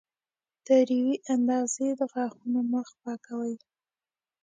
تر یوې اندازې د غاښونو مخ پاکوي.